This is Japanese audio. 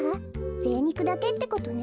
ぜいにくだけってことね。